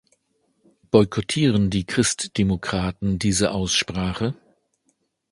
Boykottieren die Christdemokraten diese Aussprache?